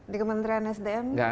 di kementerian sdm enggak ada